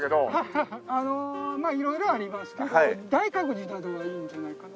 あのまあ色々ありますけど大覚寺などはいいんじゃないかな。